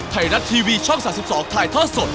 ไทยรัตท์ทีวีช่อง๓๒ไทยท่อสด